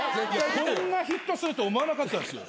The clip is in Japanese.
こんなヒットすると思わなかったんすよ。